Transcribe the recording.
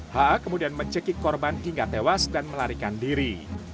h kemudian mencekik korban hingga tewas dan melarikan diri